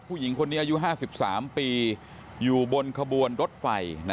ผู้หญิงคนนี้อายุ๕๓ปีอยู่บนขบวนรถไฟ